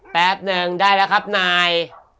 แป๊บนึงได้แล้วครับนาย